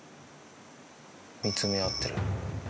見つめ合ってる。